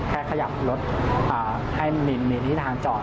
แค่ขยับรถให้มีที่ทางจอด